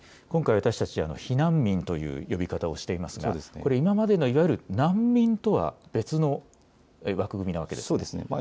今回、私たちは避難民という呼び方をしていますが今までのいわゆる難民とは別の枠組みなわけですね。